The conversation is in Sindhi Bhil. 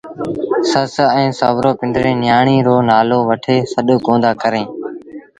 سس ائيٚݩ سُورو پنڊري نيٚآڻي رو نآلو وٺي سڏ ڪوندآ ڪريݩ